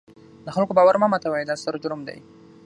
د خلکو باور مه ماتوئ، دا ستر جرم دی.